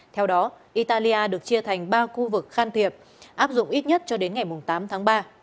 theo đó italia được chia thành ba khu vực can thiệp áp dụng ít nhất cho đến ngày tám tháng ba